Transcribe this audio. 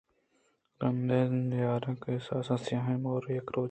رندءَ نِیارئےقِصّہاں سیاہیں مُور یک روچے